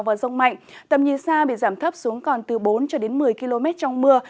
và rông mạnh tầm nhìn xa bị giảm thấp xuống còn từ bốn một mươi km trong mưa